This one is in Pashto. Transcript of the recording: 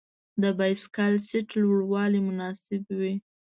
د بایسکل سیټ لوړوالی مناسب وي.